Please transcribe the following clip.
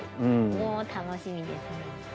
おお楽しみですね。